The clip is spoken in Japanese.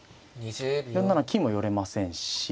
４七金も寄れませんし